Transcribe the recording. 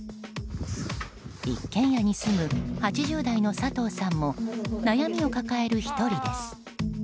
一軒家に住む８０代の佐藤さんも悩みを抱える１人です。